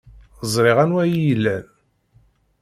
Ẓriɣ anwa ay iyi-ilan.